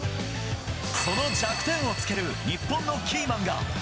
その弱点を突ける、日本のキーマンが。